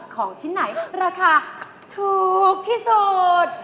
ของชิ้นไหนราคาถูกที่สุด